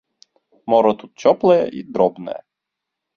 Мора тут цёплае і дробнае.